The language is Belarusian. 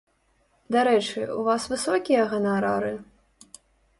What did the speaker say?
Дарэчы, у вас высокія ганарары?